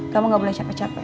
kamu gak boleh capek capek